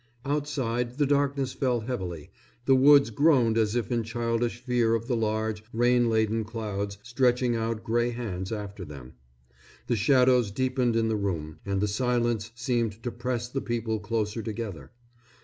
Outside the darkness fell heavily, the woods groaned as if in childish fear of the large, rain laden clouds stretching out gray hands after them. The shadows deepened in the room, and the silence seemed to press the people closer together.